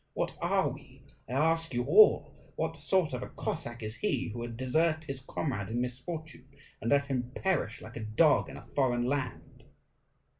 What are we? I ask you all what sort of a Cossack is he who would desert his comrade in misfortune, and let him perish like a dog in a foreign land?